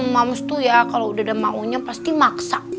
mams tuh ya kalau udah ada maunya pasti maksa